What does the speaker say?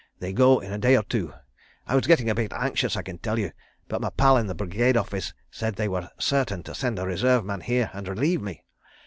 ... They go in a day or two. ... I was getting a bit anxious, I can tell you—but my pal in the Brigade Office said they were certain to send a Reserve man here and relieve me.